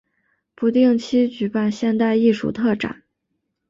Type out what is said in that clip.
不定期举办现代艺术特展。